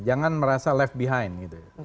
jangan merasa left behind gitu